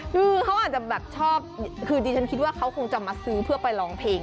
คือเขาอาจจะแบบชอบคือดิฉันคิดว่าเขาคงจะมาซื้อเพื่อไปร้องเพลง